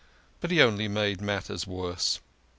But he only made matters worse.